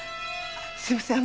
すいません